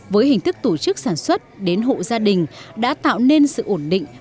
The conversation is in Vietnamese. với hình thức tổ chức sản xuất đến hộ gia đình đã tạo nên sự ổn định